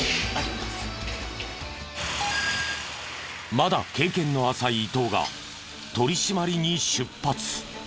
まだ経験の浅い伊東が取り締まりに出発。